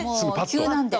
急なんで。